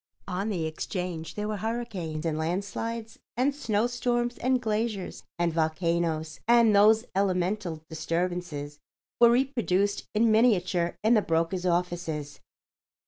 On the Exchange there were hurricanes and landslides and snowstorms and glaciers and volcanoes, and those elemental disturbances were reproduced in miniature in the broker's offices.